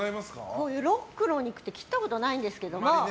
こういうロックのお肉って切ったことないですけど。